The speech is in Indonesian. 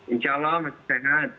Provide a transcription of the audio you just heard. insya allah masih sehat